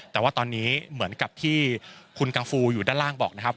แต่ว่าตอนนี้เหมือนกับที่คุณกังฟูอยู่ด้านล่างบอกนะครับ